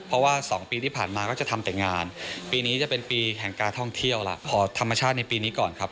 เพราะว่า๒ปีที่ผ่านมาก็จะทำแต่งานปีนี้จะเป็นปีแห่งการท่องเที่ยวแล้วพอธรรมชาติในปีนี้ก่อนครับ